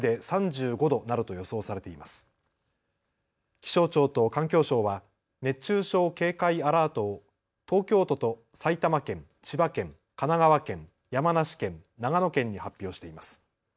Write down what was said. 気象庁と環境省は熱中症警戒アラートを東京都と埼玉県、千葉県、神奈川県、山梨県、長野県に発表しています。